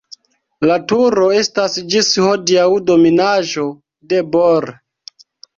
La turo estas ĝis hodiaŭ dominaĵo de Bor.